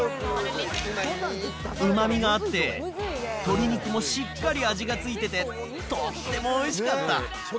うまみがあって、鶏肉もしっかり味がついてて、とってもおいしかった。